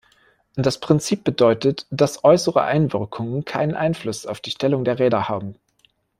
Das Prinzip bedeutet, dass äußere Einwirkungen keinen Einfluss auf die Stellung der Räder haben.